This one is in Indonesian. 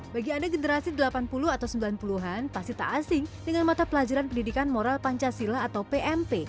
bagi anda generasi delapan puluh atau sembilan puluh an pasti tak asing dengan mata pelajaran pendidikan moral pancasila atau pmp